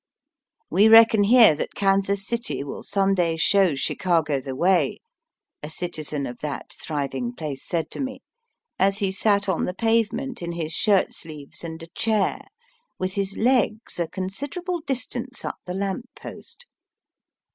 ^^ We reckon here that Kansas City will some day show Chicago the way," a citizen of that thriving place said to me, as he sat on the pavement in his shirt sleeves and a chair, with his legs a considerable distance up the lamp post.